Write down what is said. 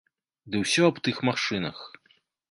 Ды ўсё аб тых машынах.